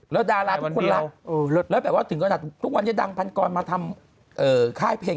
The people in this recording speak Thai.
แล้วดาราทุกคนรักแล้วแบบว่าถึงขนาดทุกวันนี้ดังพันกรมาทำค่ายเพลง